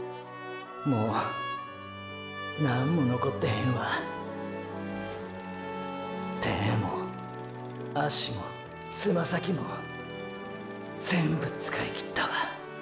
もうなんも残ってへんわ手も足もつま先も全部使いきったわ。